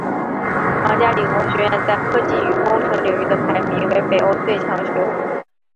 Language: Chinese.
皇家理工学院在科技与工程领域的排名为北欧最强学府。